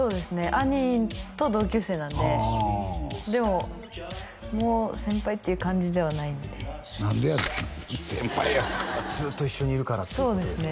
兄と同級生なんででももう先輩っていう感じではないんで何でやねん先輩やんかずーっと一緒にいるからってことですか？